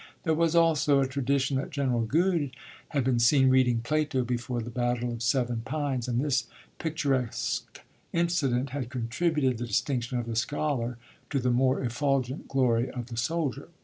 There was, also, a tradition that General Goode had been seen reading Plato before the Battle of Seven Pines; and this picturesque incident had contributed the distinction of the scholar to the more effulgent glory of the soldier.